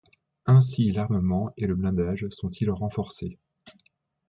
Ainsi l'armement et le blindage sont-ils renforcés.